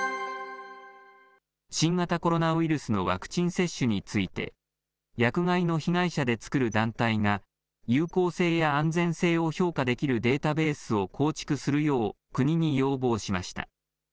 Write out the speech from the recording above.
新型コロナウイルスのワクチン接種について、薬害の被害者で作る団体が有効性や安全性を評価できるデータベースを構築するよう国に要望しました。